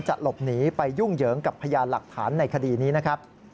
หลบหนีไปยุ่งเหยิงกับพยานหลักฐานในคดีนี้นะครับ